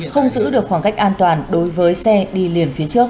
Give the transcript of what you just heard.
không giữ được khoảng cách an toàn đối với xe đi liền phía trước